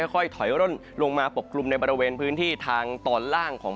ค่อยถอยร่นลงมาปกกลุ่มในบริเวณพื้นที่ทางตอนล่างของ